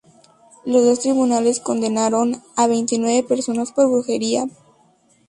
Los dos tribunales condenaron a veintinueve personas por brujería.